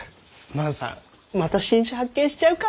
万さんまた新種発見しちゃうか？